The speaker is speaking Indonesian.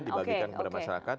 dibagikan kepada masyarakat